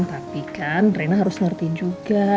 tapi kan drena harus ngerti juga